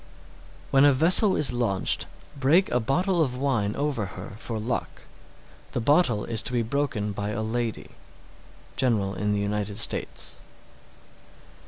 _ 700. When a vessel is launched, break a bottle of wine over her for luck. The bottle is to be broken by a lady. _General in the United States.